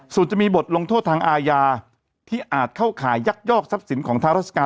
ส่วนจะมีบทลงโทษทางอาญาที่อาจเข้าข่ายยักยอกทรัพย์สินของทางราชการ